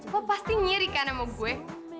lo pasti nyerik sama gue